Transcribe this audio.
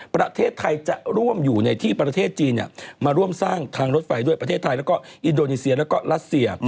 ประเทศไทยจะร่วมอยู่ในที่ประเทศจีนมาร่วมสร้างทางรถไฟด้วยประเทศไทยแล้วก็อินโดนีเซียแล้วก็รัสเซีย